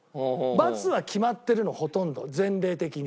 罰は決まってるのほとんど前例的に。